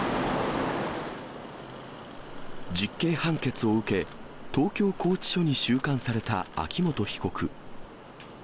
実刑判決を受け、東京拘置所に収監された秋元被告。